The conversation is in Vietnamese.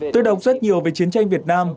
tôi đọc rất nhiều về chiến tranh việt nam